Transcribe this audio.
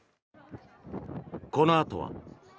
このあとは。